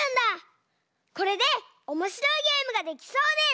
これでおもしろいゲームができそうです！